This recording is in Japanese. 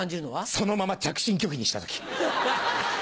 そのまま着信拒否にした時。